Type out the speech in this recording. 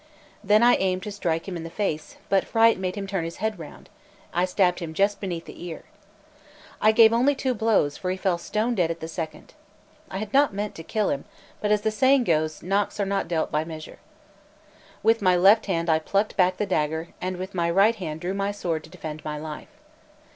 Then I aimed to strike him in the face; but fright made him turn his head round; and I stabbed him just beneath the ear. I only gave two blows, for he fell stone dead at the second. I had not meant to kill him; but as the saying goes, knocks are not dealt by measure. With my left hand I plucked back the dagger, and with my right hand drew my sword to defend my life.